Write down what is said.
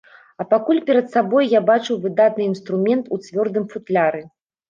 А пакуль перад сабой я бачыў выдатны інструмент у цвёрдым футляры.